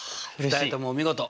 ２人ともお見事！